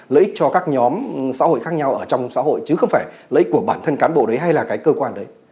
lợi ích cho các nhóm xã hội khác nhau ở trong xã hội chứ không phải lợi ích của bản thân cán bộ đấy hay là cái cơ quan đấy